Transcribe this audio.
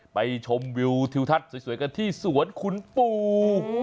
ชมวิวทิวทัศน์สวยกันที่สวนคุณปู่